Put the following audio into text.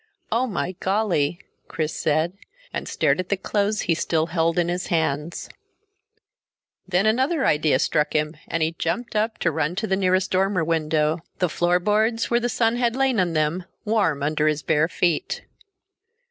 "Oh my golly!" Chris said, and stared at the clothes he still held in his hands. Then another idea struck him, and he jumped up to run to the nearest dormer window, the floorboards, where the sun had lain on them, warm under his bare feet.